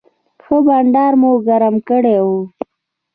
ښه بنډار مو ګرم کړی و.